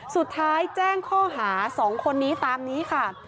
สุดท้ายแจ้งข้อหา๒คนนี้ตามนี้ค่ะ